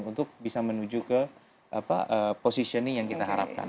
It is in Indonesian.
untuk bisa menuju ke positioning yang kita harapkan